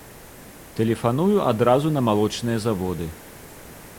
Тэлефаную адразу на малочныя заводы.